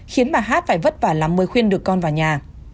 khiến bà hát phải vất vả lắm mới khuyên được con vào nhà